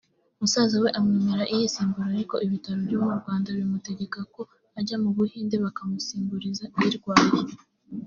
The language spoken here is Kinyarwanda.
musaza we amwemerera iyisimbura ariko ibitaro byo mu Rwanda bimutegeka ko ajya mu Buhinde bakamusimburiza irwaye